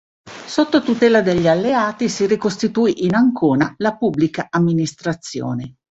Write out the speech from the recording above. Sotto tutela degli alleati si ricostituì in Ancona la pubblica amministrazione.